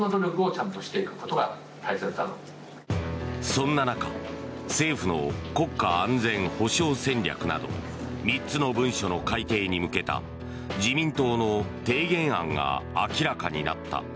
そんな中、政府の国家安全保障戦略など３つの文書の改定に向けた自民党の提言案が明らかになった。